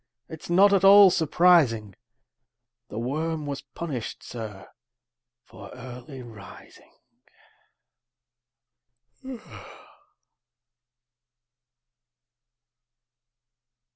it's not at all surprising; The worm was punished, sir, for early rising!"